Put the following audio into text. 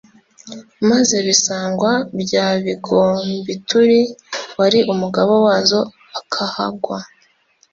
maze Bisangwa bya Bigombituri wari umugaba wazo akahagwa